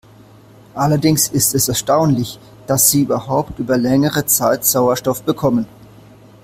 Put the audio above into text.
Allerdings ist es erstaunlich, dass sie überhaupt über längere Zeit Sauerstoff bekommen.